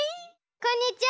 こんにちは